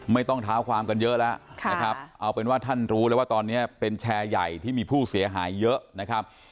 ไม่ต้องเท้าความกันเยอะแล้วนะครับเอาเป็นว่าท่านรู้แล้วว่าตอนนี้เป็นแชร์ใหญ่ที่มีผู้เสียหายเยอะนะครับ